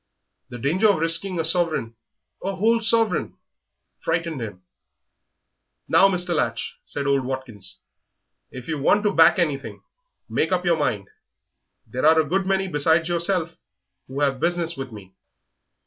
...The danger of risking a sovereign a whole sovereign frightened him. "Now, Mr. Latch," said old Watkins, "if you want to back anything, make up your mind; there are a good many besides yourself who have business with me."